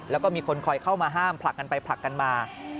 แล้วก็มีคนคอยเข้ามาห้ามผลักกันไปผลักกันมา